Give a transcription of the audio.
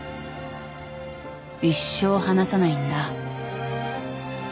一生離さないんだ。